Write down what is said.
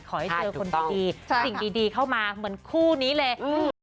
ขอให้เจอคนดีสิ่งดีเข้ามาเหมือนคู่นี้เลย